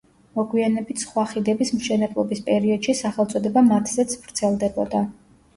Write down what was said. მოგვიანებით სხვა ხიდების მშენებლობის პერიოდში სახელწოდება მათზეც ვრცელდებოდა.